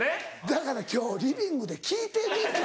だから今日リビングで聞いてみって。